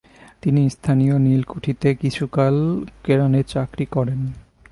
তিনি স্থানীয় নীলকুঠিতে কিছুকাল কেরানির চাকরি করেন।